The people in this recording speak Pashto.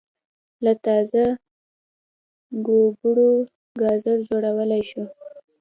له تازه ګوبرو ګاز جوړولای شو